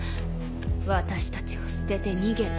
私たちを捨てて逃げた。